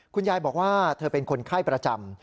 คุณยายบอกว่าเธอเป็นคนไข้ประจำ